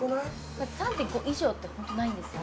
３．５以上ってホントないんですよ